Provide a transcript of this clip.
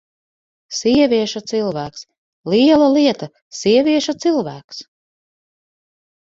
Sievieša cilvēks! Liela lieta: sievieša cilvēks!